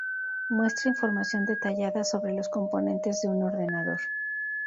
Muestra información detallada sobre los componentes de un ordenador.